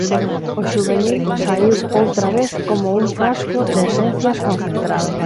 O xuvenil saíu outra vez como un frasco de esencias concentrado.